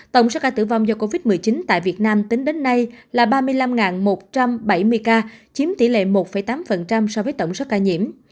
tổng số ca tử vong do covid một mươi chín tại việt nam tính đến nay là ba mươi năm một trăm bảy mươi ca chiếm tỷ lệ một tám so với tổng số ca nhiễm